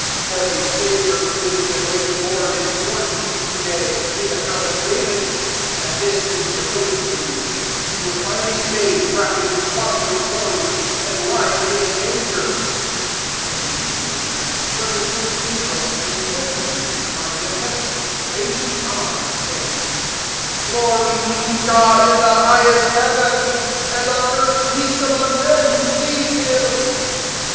002:011 For a Saviour who is the Anointed Lord is born to you to day, in the town of David. 002:012 And this is the token for you: you will find a babe wrapped in swaddling clothes and lying in a manger." 002:013 And immediately there was with the angel a multitude of the army of Heaven praising God and saying, 002:014 "Glory be to God in the highest Heavens, And on earth peace among men who please Him!"